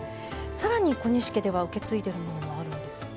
さらに小西家では受け継いでいるものがあるんですよね。